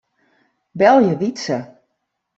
Belje Wytse.